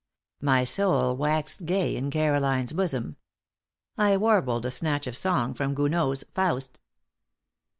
My soul waxed gay in Caroline's bosom. I warbled a snatch of song from Gounod's "Faust."